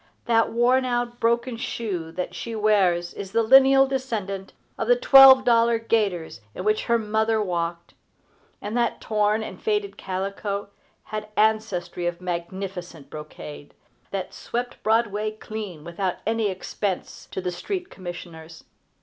That worn out, broken shoe that she wears is the lineal descendant of the twelve dollar gaiters in which her mother walked; and that torn and faded calico had ancestry of magnificent brocade, that swept Broadway clean without any expense to the street commissioners.